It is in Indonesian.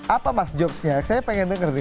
apa mas jokes nya saya pengen denger nih